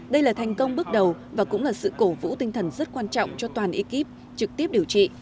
đây là thành công bước đầu và cũng là sự cổ vũ tinh thần rất quan trọng cho toàn ekip trực tiếp điều trị